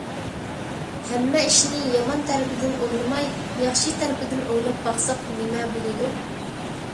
ھەممە ئىشنى يامان تەرىپىدىن ئويلىماي، ياخشى تەرىپىدىن ئويلاپ باقساق نېمە بولىدۇ؟